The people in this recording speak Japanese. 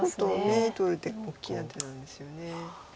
眼取る手が大きな手なんですよね。